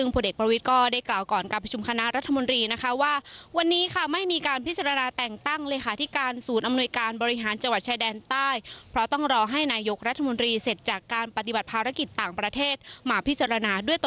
พลเอกประวิทย์อันดับดีกว่าตกประชุมคณะรัฐมนตรีว่าวันนี้ไม่มีการพิจารณาแต่งตั้งโจมตามโลก